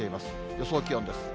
予想気温です。